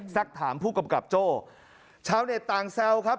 สักถามผู้กำกับโจ้ชาวเน็ตต่างแซวครับ